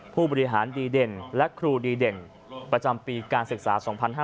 ผู้บริหารดีเด่นและครูดีเด่นประจำปีการศึกษา๒๕๕๙